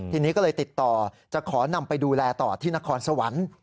ทีนี้ก็เลยติดต่อจะขอนำไปดูแลต่อที่นครสวรรค์